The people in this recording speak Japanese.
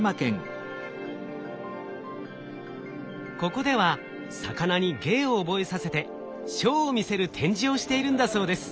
ここでは魚に芸を覚えさせてショーを見せる展示をしているんだそうです。